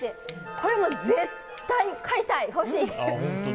これ絶対買いたい、欲しい。